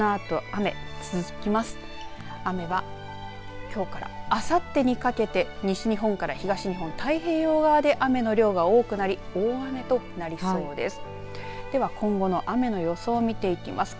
雨はきょうからあさってにかけて西日本から東日本の太平洋側で雨の量が多くなり大雨となりそうです。